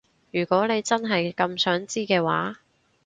如果你真係咁想知嘅話